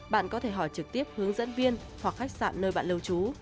bạn có thể hỏi trực tiếp hướng dẫn viên hoặc khách sạn nơi bạn lưu trú